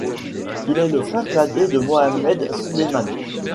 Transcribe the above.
Il est le frère cadet de Mohamed Suleiman.